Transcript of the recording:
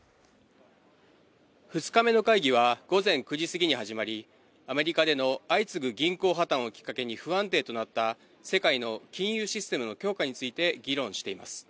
２日目の会議は午前９時過ぎに始まり、アメリカでの相次ぐ銀行破綻をきっかけに不安定となった世界の金融システムの強化について議論しています。